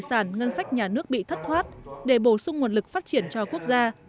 sản ngân sách nhà nước bình thường